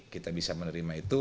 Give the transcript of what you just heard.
kita bisa menerima itu